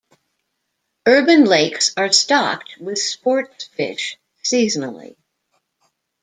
Urban Lakes are stocked with sports fish seasonally.